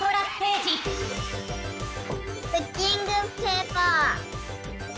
クッキングペーパー。